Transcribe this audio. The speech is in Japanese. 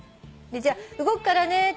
じゃあ動くからね。